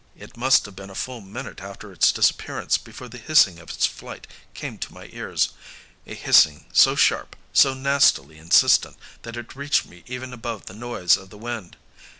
It must have been a full minute after its disappearance before the hissing of its flight came to my ears a hissing so sharp, so nastily insistent that it reached me even above the noise of the wind.